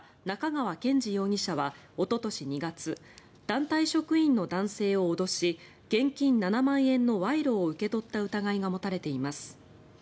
仲川賢司容疑者はおととし２月団体職員の男性を脅し現金７万円の賄賂を受け取った疑いが持たれています。